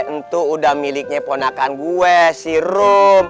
itu udah miliknya ponakan gue si rum